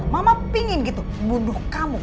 mama pingin gitu buduh kamu